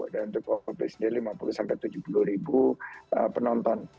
dan untuk bapak presiden lima puluh tujuh puluh ribu penonton